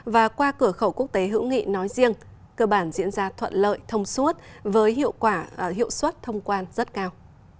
và qua cửa khẩu quốc tế hữu nghị nói riêng cơ bản diễn ra thuận lợi thông suốt với hiệu quả hiệu suất thông quan rất cao